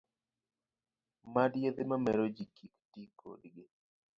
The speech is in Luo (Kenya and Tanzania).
Mad yedhe mamero ji kik ti kodgi